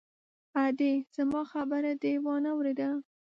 _ادې! زما خبره دې وانه ورېده!